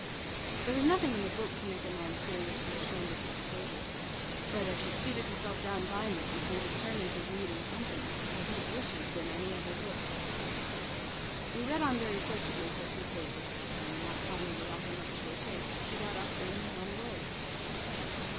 There was nothing in the book to make a man seriously ashamed at the exposure; but as she seated herself down by me, and seemed determined to read in company, I could have wished it had been any other book. We read on very sociably for a few pages; and, not finding the author much to her taste, she got up, and went away.